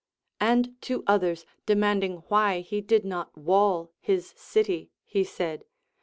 And to others demanding why he did not wall his city he said.